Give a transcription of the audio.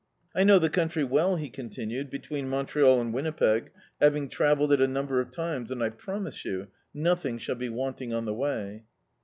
I know the country well," he continued, "between Montreal and Winnipeg, having travelled it a number of times, and, I promise you, nothing shall be wanting on the way."